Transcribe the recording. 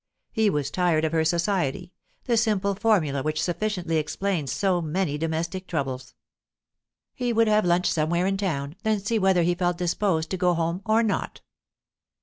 He was tired of her society the simple formula which sufficiently explains so many domestic troubles. He would have lunch somewhere in town; then see whether he felt disposed to go home or not.